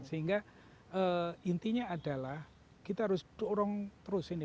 sehingga intinya adalah kita harus dorong terus ini